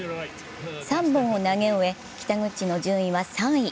３本を投げ終え北口の順位は３位。